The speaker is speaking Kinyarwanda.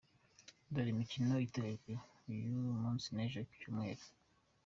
Dore imikino iteganyijwe uyu munsi n’ejo kucyumweru :.